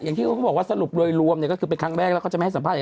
อย่างที่เขาสรุปโดยรวมคือซึ่งเป็นครั้งแรกเขาจะไม่ให้สัมภาษณ์